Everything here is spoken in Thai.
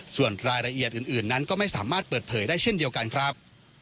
ส่วนรายละเอียดอื่นนั้นก็ไม่สามารถเปิดเผยได้เช่นเดียวกันครับ